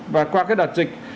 và qua cái đợt dịch